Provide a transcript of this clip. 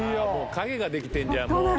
影ができてるじゃんもう緑川）